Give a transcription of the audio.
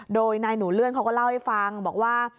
โดยนายหนูเลื่อนเขาก็เล่าให้ฟังบอกว่า